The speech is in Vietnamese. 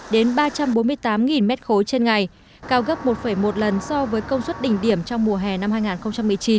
đến ba trăm bốn mươi tám m ba trên ngày cao gấp một một lần so với công suất đỉnh điểm trong mùa hè năm hai nghìn một mươi chín